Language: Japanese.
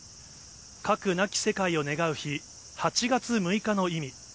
核なき世界を願う日、８月６日の意味。